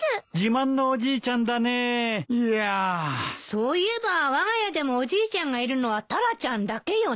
そういえばわが家でもおじいちゃんがいるのはタラちゃんだけよね。